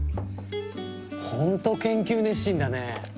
本当研究熱心だね。